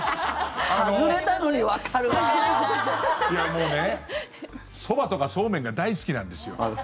もうね、そばとかそうめんが大好きなんですよ。